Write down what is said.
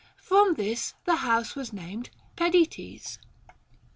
From this the house was named Πεδινής.